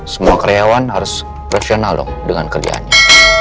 semua karyawan harus profesional loh dengan kerjaannya